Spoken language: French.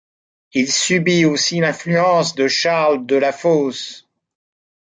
Il subit aussi l'influence de Charles de La Fosse.